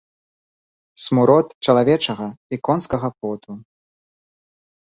Смурод чалавечага і конскага поту.